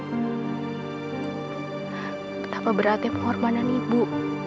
betapa beratnya pengorbanan ibu